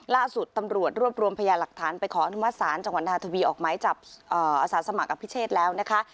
ล่าสุดตำรวจรวบรวมพยาหลักฐานไปขออนุมัติศาลจังหวัดธาทวีออกไม้จับอาสาสมัครอภิเชษแล้วนะคะ